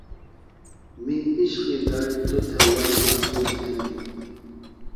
می عِشقی دڑ توۡ تھےۡ وئی محسوس نئینیۡ۔